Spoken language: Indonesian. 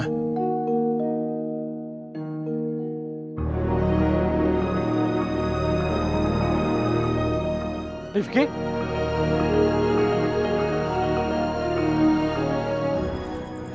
nanti aku mau bantu